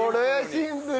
シンプル。